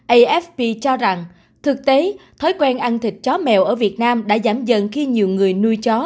afp cho rằng thực tế thói quen ăn thịt chó mèo ở việt nam đã giảm dần khi nhiều người nuôi chó